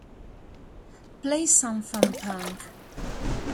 Play some fun-punk